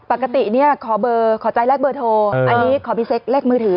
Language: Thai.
ปกติขอใจแลกเบอร์โทรอันนี้ขอมีเซ็กแลกมือถือ